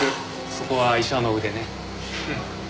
そこは医者の腕ね。